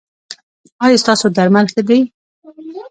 ایا ستاسو درمل ښه دي؟